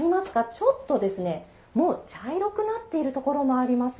ちょっと茶色くなっているところもあります。